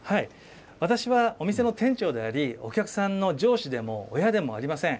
私はお店の店長であり、お客さんの上司でも親でもありません。